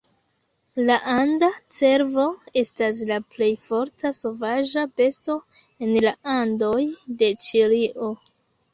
La anda cervo estas la plej forta sovaĝa besto en la Andoj de Ĉilio.